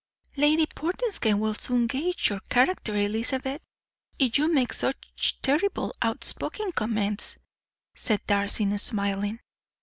"Lady Portinscale will soon gauge your character, Elizabeth, if you make such terribly outspoken comments," said Darcy, smiling.